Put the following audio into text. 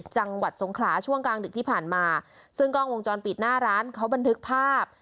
จังหวัดสงขลาช่วงกลางดึกที่ผ่านมาซึ่งกล้องวงจรปิดหน้าร้านเขาบันทึกภาพ